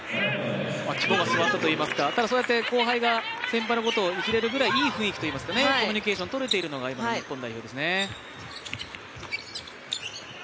肝が据わったといいますか、後輩が先輩のことをいじれるぐらいいい雰囲気というかコミュニケーションとれているのが今の日本代表です。